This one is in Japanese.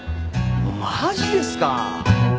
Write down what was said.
マジですか。